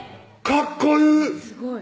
かっこいい！